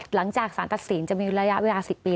หลังจากสารตัดสินจะมีระยะเวลา๑๐ปี